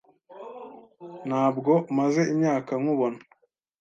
Ntabwo maze imyaka nkubona.